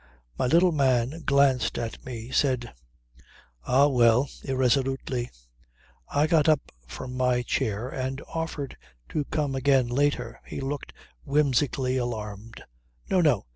My little man glanced at me, said "Ah! Well," irresolutely. I got up from my chair and offered to come again later. He looked whimsically alarmed. "No, no.